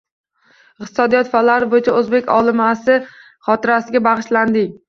Iqtisodiyot fanlari bo‘yicha o‘zbek olimasi xotirasiga bag‘ishlanding